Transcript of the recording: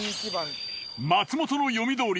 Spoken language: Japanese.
松本の読みどおり